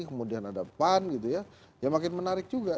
kemudian ada pan gitu ya ya makin menarik juga